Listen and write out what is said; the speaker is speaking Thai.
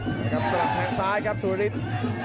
สำหรับทางซ้ายครับสุรินทร์